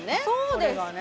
そうです